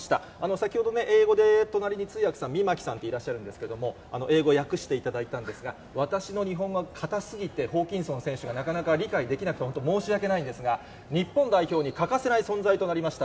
先ほどね、英語で隣に通訳、みまきさんっていらっしゃるんですけれども、英語、訳していただいたんですが、私の日本語がかたすぎてホーキンソン選手がなかなか理解できなくて申し訳ないんですが、日本代表に欠かせない存在となりました